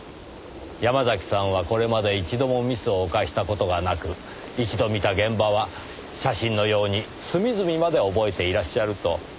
山崎さんはこれまで一度もミスを犯した事がなく一度見た現場は写真のように隅々まで覚えていらっしゃると。